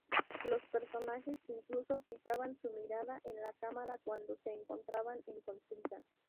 Los personajes incluso fijaban su mirada en la cámara cuando se encontraban en consulta.